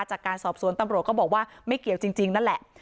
จากการสอบสวนตำรวจก็บอกว่าไม่เกี่ยวจริงนั่นแหละ